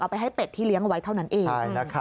ไปให้เป็ดที่เลี้ยงไว้เท่านั้นเอง